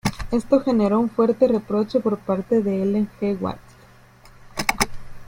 Esto generó un fuerte reproche por parte de Ellen G. White.